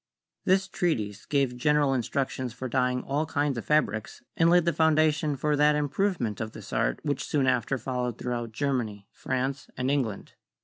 This treatise gave general instructions for dyeing all kinds of fabrics, and laid the foundation for that improvement of this art which soon after followed throughout Germany, France 84 CHEMISTRY and England.